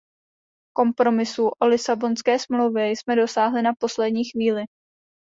Kompromisu o Lisabonské smlouvě jsme dosáhli na poslední chvíli.